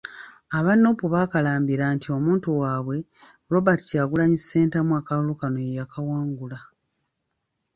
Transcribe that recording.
Aba Nuupu baakalambira nti omuntu waabwe, Robert Kyagulanyi Ssentamu akalulu kano ye yakawangula .